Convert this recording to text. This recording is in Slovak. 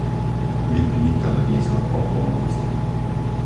Vypni televízor o polnoci.